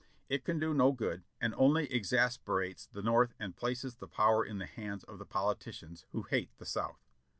It can do no good and only exasperates the North and places the power in the hands of the politicians, who hate the South.